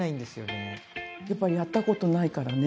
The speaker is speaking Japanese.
やっぱやったことないからね。